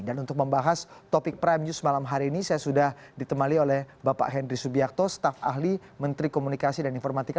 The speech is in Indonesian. untuk membahas topik prime news malam hari ini saya sudah ditemani oleh bapak henry subiakto staf ahli menteri komunikasi dan informatika